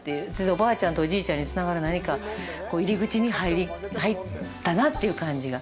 おじいちゃんとおばあちゃんにつながる何か入り口に入ったなっていう感じが。